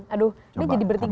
aduh ini jadi bertiga